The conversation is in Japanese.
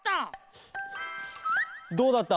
どうだった？